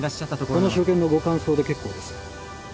この初見のご感想で結構です。